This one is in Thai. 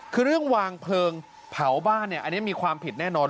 คือเรื่องวางเพลิงเผาบ้านเนี่ยอันนี้มีความผิดแน่นอน